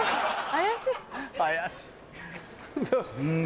怪しい。